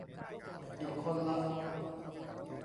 อีกคนละ